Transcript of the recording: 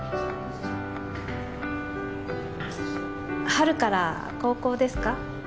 春から高校ですか？